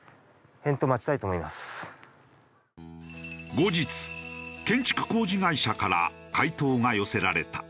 後日建築工事会社から回答が寄せられた。